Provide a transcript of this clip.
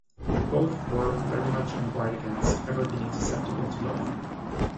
Both were very much on guard against ever being susceptible to love.